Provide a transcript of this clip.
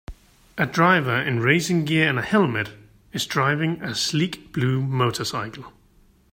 A driver in racing gear and a helmet is driving a sleek blue motorcycle